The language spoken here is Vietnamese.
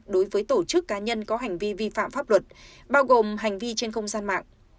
đối với tổ chức cá nhân có hành vi vi phạm pháp luật bao gồm hành vi trên không gian mạng